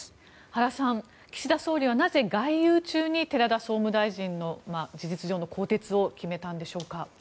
原さん岸田総理はなぜ外遊中に寺田総務大臣の事実上の更迭を決めたのでしょうか。